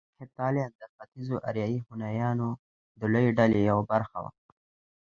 هېپتاليان د ختيځو اریایي هونيانو د لويې ډلې يوه برخه وو